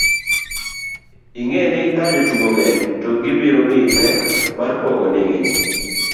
ing'e ni kajotugo ng'eny to gibiro miyi pek mar pogo nigi